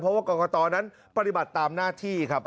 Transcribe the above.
เพราะว่ากรกตนั้นปฏิบัติตามหน้าที่ครับ